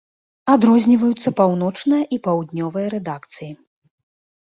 Адрозніваюцца паўночная і паўднёвая рэдакцыі.